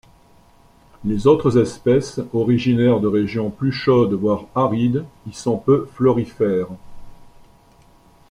Les autres espèces, originaires de régions plus chaudes voire arides, y sont peu florifères.